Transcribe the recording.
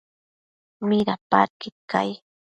Midapadquid cai?